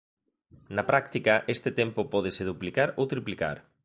Na práctica este tempo pódese duplicar ou triplicar.